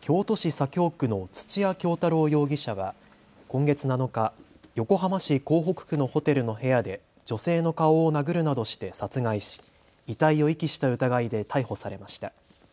京都市左京区の土屋京多郎容疑者は今月７日、横浜市港北区のホテルの部屋で女性の顔を殴るなどして殺害し遺体を遺棄した疑いで逮捕されました。